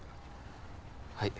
はい。